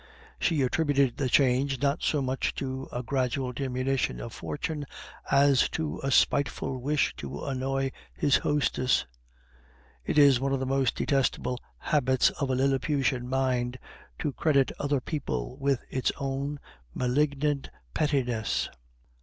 She attributed the change not so much to a gradual diminution of fortune as to a spiteful wish to annoy his hostess. It is one of the most detestable habits of a Liliputian mind to credit other people with its own malignant pettiness.